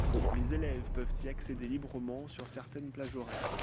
Les élèves peuvent y accéder librement sur certaines plages horaires.